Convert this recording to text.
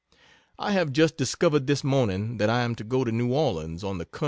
I have just discovered this morning that I am to go to New Orleans on the "Col.